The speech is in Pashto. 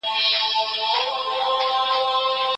په امریکا کې دا برخه نوره نه اورېدل شوې.